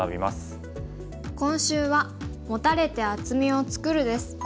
今週は「モタれて厚みを作る」です。